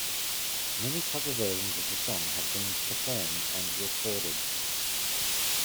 Many cover versions of the song have been performed and recorded.